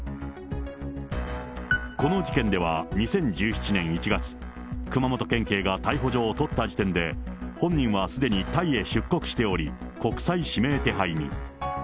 この事件では２０１７年１月、熊本県警が逮捕状を取った時点で、本人はすでにタイへ出国しており、国際指名手配に。